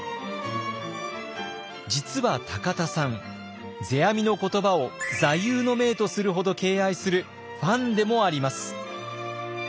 実は田さん世阿弥の言葉を座右の銘とするほど敬愛するファンでもあります。